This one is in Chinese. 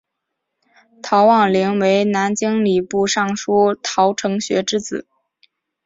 陶望龄为南京礼部尚书陶承学之子。